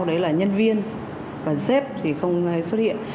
sau đấy là nhân viên và sếp thì không xuất hiện